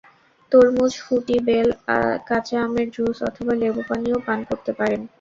তরমুজ, ফুটি, বেল, কাঁচা আমের জুস অথবা লেবুপানিও পান করতে পারেন।